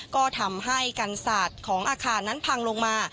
ก็ทำให้กันศาสตร์ของอาคารนั้นพังลงมา